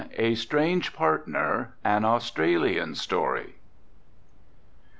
A STRANGE PARTNER. An Australian Story.